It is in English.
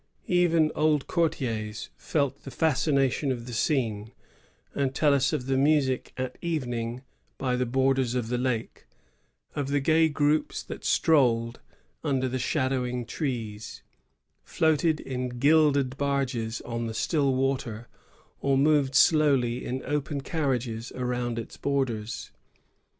Even old cour tiers felt the fascination of the scene, and tell us of the music at evening by the borders of the lake ; of the gay groups that strolled under the shadowing trees, floated in gilded baiges on the still water, or moved slowly in open carriages around its borders.